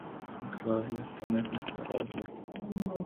Глаз ли померкнет орлий?